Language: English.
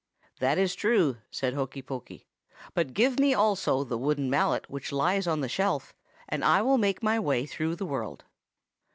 "'That is true,' said Hokey Pokey. 'But give me also the wooden mallet which lies on the shelf, and I will make my way through the world.